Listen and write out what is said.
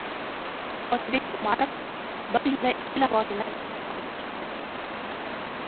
Otabek Umarov biryo‘la ikki lavozimdan iste’foga chiqdi